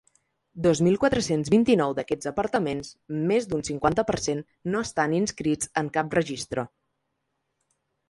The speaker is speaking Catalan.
Dos mil quatre-cents vint-i-nou d’aquests apartaments, més d’un cinquanta per cent, no estan inscrits en cap registre.